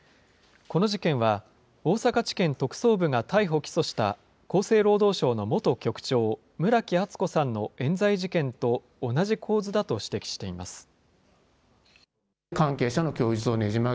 この事件は、大阪地検特捜部が逮捕・起訴した厚生労働省の元局長、村木厚子さんのえん罪事件と同じ構図だと指摘しています。